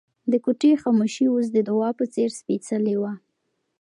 د کوټې خاموشي اوس د دعا په څېر سپېڅلې وه.